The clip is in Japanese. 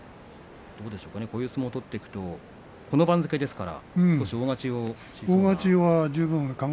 こういう相撲を取っていくとこの番付ですから少し大勝ちをしそうでしょうか。